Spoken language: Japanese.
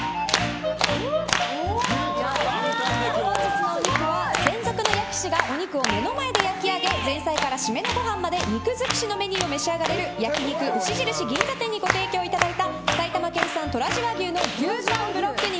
本日のお肉は、専属の焼き師がお肉を目の前で焼き上げ前菜から締めのご飯まで肉尽くしのメニューを召し上がれる焼肉牛印銀座店にご提供いただいた埼玉県産トラジ和牛の牛タンブロック肉